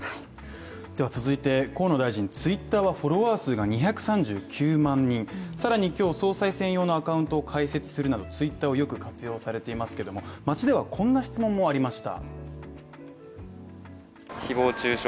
では続いて、河野大臣、Ｔｗｉｔｔｅｒのフォロワー数は２９３万人、更に今日、総裁選用のアカウントを開設するなどＴｗｉｔｔｅｒをよく活用されていますけど街ではこんな質問もありました。